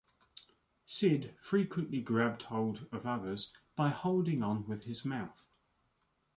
Sid frequently grabbed hold of others by holding on with his mouth.